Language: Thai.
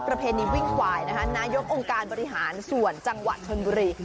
เพณีวิ่งควายนายกองค์การบริหารส่วนจังหวัดชนบุรี